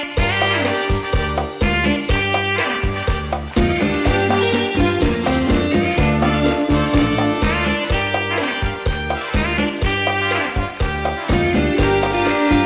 นะรึพี่จ้าบอกว่าจะมาขอมัน